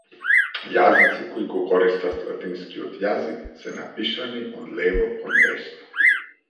Јазици кои го користат латинскиот јазик се напишани од лево кон десно.